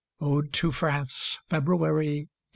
ODE TO FRANCE. FEBRUARY, 1848.